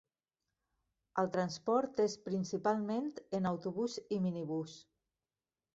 El transport és principalment en autobús i minibús.